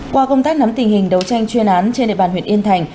qua công tác nắm tình hình đấu tranh chuyên án trên địa bàn huyện yên thành